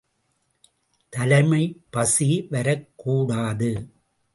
தலைமைப் பசி வரக்கூடாது!